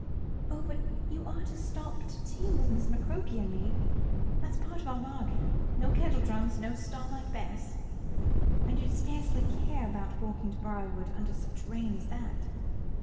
"Oh, but you are to stop to tea with Miss McCroke and me that's part of our bargain. No kettledrum, no Starlight Bess! And you'd scarcely care about walking to Briarwood under such rain as that!"